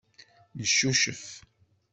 Neccucef.